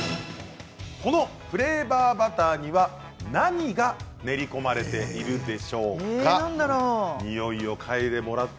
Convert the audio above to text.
このフレーバーバターには何が練り込まれているんでしょうか。